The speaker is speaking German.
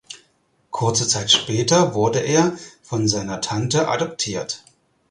Kurze Zeit später wurde er von seiner Tante adoptiert.